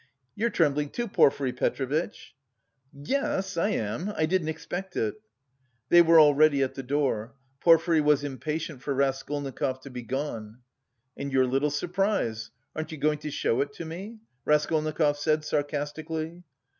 "You're trembling, too, Porfiry Petrovitch!" "Yes, I am; I didn't expect it." They were already at the door; Porfiry was impatient for Raskolnikov to be gone. "And your little surprise, aren't you going to show it to me?" Raskolnikov said, sarcastically.